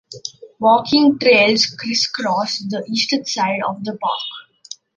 Walking trails crisscross the eastern side of the park.